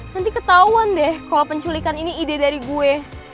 gak ada ketauan deh kalo penculikan ini ide dari gue